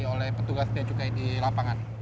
oleh petugas biaya cukai di lapangan